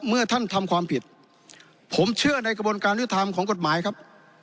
เมื่อท่านทำความผิดผมเชื่อในกระบวนการยุทธรรมของกฎหมายครับ